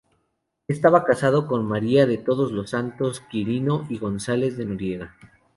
Estaba casado con María de Todos los Santos Quirno y González de Noriega.